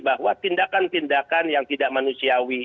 bahkan bisa dikategorikan sebagai kondisi yang tidak manusiawi